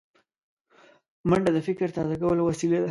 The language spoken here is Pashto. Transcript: منډه د فکر تازه کولو وسیله ده